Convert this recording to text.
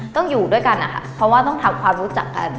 อยู่ด้วยกันนะคะเพราะว่าต้องทำความรู้จักกัน